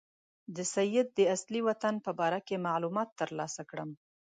د سید د اصلي وطن په باره کې معلومات ترلاسه کړم.